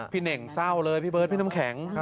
เน่งเศร้าเลยพี่เบิร์ดพี่น้ำแข็ง